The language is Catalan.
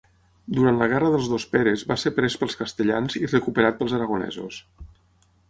Durant la Guerra dels dos Peres va ser pres pels castellans i recuperat pels aragonesos.